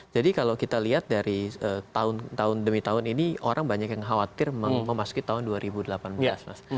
jadi kalau kita lihat dari tahun demi tahun ini orang banyak yang khawatir memasuki tahun dua ribu delapan belas mas